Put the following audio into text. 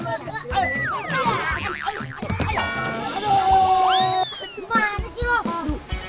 aduh aduh aduh